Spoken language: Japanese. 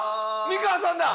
美川さんだ！